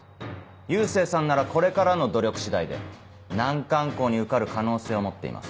佑星さんならこれからの努力次第で難関校に受かる可能性を持っています。